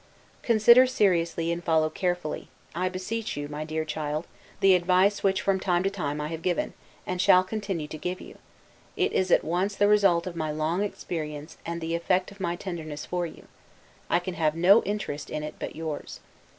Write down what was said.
Consider seriously, and follow carefully, I beseech you, my dear child, the advice which from time to time I have given, and shall continue to give you; it is at once the result of my long experience, and the effect of my tenderness for you. I can have no interest in it but yours.